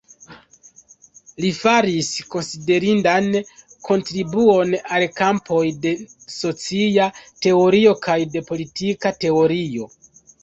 Li faris konsiderindan kontribuon al kampoj de socia teorio kaj de politika teorio.